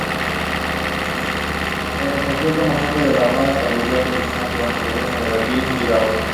Pero la cosa no se quedó ahí.